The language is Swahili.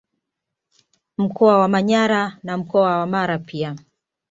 Mkoa wa Manyara na mkoa wa Mara pia